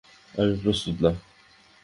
আমি প্রস্তুত না।